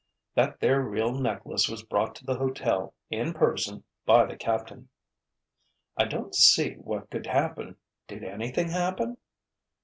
That there real necklace was brought to the hotel, in person, by the captain." "I don't see what could happen—did anything happen?"